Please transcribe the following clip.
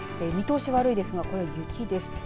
見通し悪いですが、これ雪です。